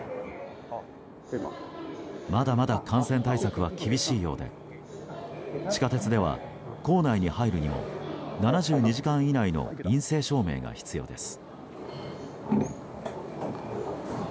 まだまだ感染対策は厳しいようで地下鉄では構内に入るにも７２時間以内の陰性証明が必要です。